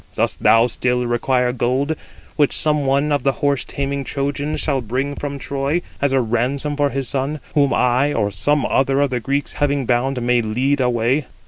Dost thou still require gold, which some one of the horse taming Trojans shall bring from Troy, as a ransom for his son, whom I, or some other of the Greeks, having bound, may lead away?